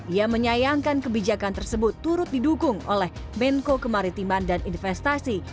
ia menyayangkan kebijakan tersebut turut didukung oleh menko kemaritiman dan investasi